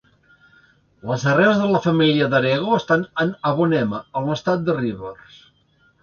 Les arrels de la família Darego estan en Abonnema, en l'estat de Rivers.